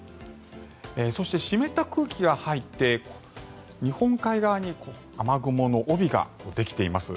そして、湿った空気が入って日本海側に雨雲の帯ができています。